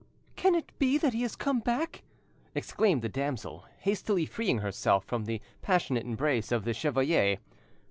"Can it be that he has come back?" exclaimed the damsel, hastily freeing herself from the passionate embrace of the chevalier.